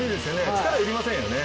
力いりませんよね。